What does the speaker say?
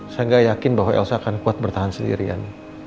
saya gak yakin bahwa elsa akan kuat bertahan sendirian